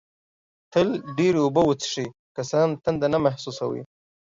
تل ډېري اوبه وڅېښئ، که څه هم تنده نه محسوسوئ